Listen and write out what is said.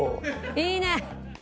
いいね！